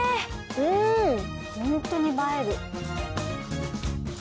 うん本当に映える。